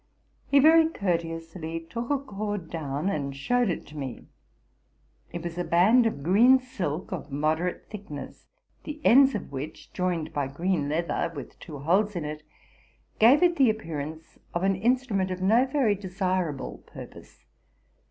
He very courteously took a cord down, and showed it to me. It was a band of green silk of moderate thickness, the ends of which, joined by green leather with two holes in it, gave it the appearance of an instrument for no very desirable purpose.